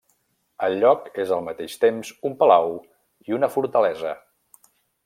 El lloc és al mateix temps un palau i una fortalesa.